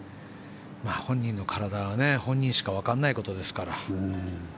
本人の体は本人しかわからないことですから。